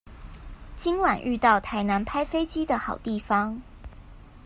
今晚遇到台南拍飛機的好地方